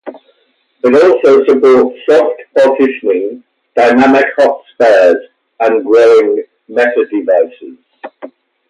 It also supports soft partitioning, dynamic hot spares, and growing metadevices.